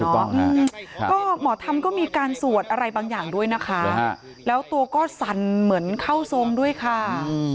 ก็หมอธรรมก็มีการสวดอะไรบางอย่างด้วยนะคะแล้วตัวก็สั่นเหมือนเข้าทรงด้วยค่ะ